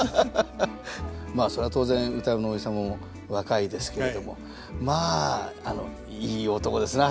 まあそれは当然歌右衛門のおじ様も若いですけれどもまあいい男ですね